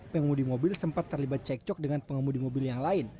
pengemudi mobil sempat terlibat cekcok dengan pengemudi mobil yang lain